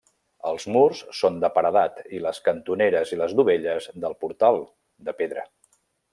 Els murs són de paredat i les cantoneres i les dovelles del portal, de pedra.